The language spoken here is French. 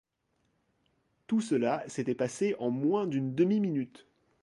Tout cela s’était passé en moins d’une demi-minute.